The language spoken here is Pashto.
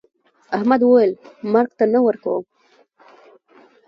احمد وويل: مرگ ته نه ورکوم.